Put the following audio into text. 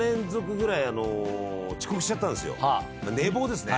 寝坊ですね。